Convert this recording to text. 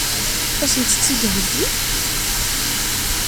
Ad sent-t-id-heggin?